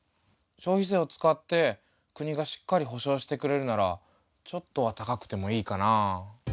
消費税を使って国がしっかり保障してくれるならちょっとは高くてもいいかなあ。